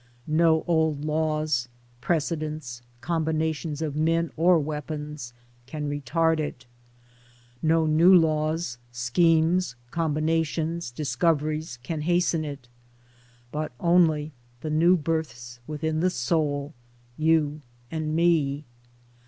No old laws, precedents, combinations of men or weapons, can retard it ; no new laws, schemes, combinations, discoveries, can hasten it ; but only the new births within the Soul, you and me.